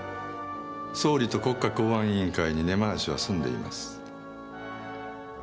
総理と国家公安委員会に根回しは済んでいます。